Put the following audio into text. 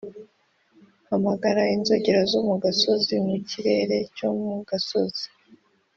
hamagara, inzogera zo mu gasozi, mu kirere cyo mu gasozi,